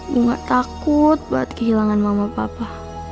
bunga takut buat kehilangan mama papa